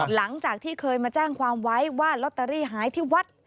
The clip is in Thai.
หลังจากที่เคยมาแจ้งความไว้ว่าลอตเตอรี่หายที่วัด